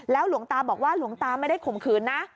หลวงตาบอกว่าหลวงตาไม่ได้ข่มขืนนะ